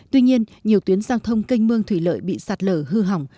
tuy nhiên nhiều tuyến giao thông canh mương thủy lợi bị sạt lở hư hỏng